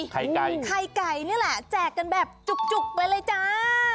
ไข่ไก่ไข่ไก่นี่แหละแจกกันแบบจุกไปเลยจ้า